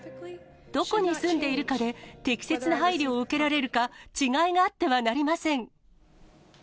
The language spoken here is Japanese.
どこに住んでいるかで適切な配慮を受けられるか、違いがあってはなりません。